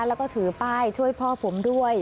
แล้วก็ถือป้ายช่วยพ่อผมด้วย